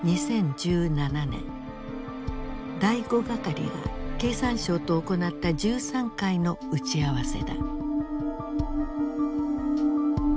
第五係が経産省と行った１３回の打ち合わせだ。